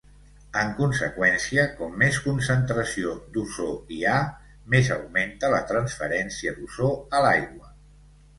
En conseqüència, com més concentració d'ozó hi ha, més augmenta la transferència d'ozó a l'aigua.